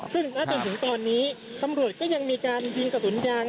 ซึ่งณจนถึงตอนนี้ตำรวจก็ยังมีการยิงกระสุนยาง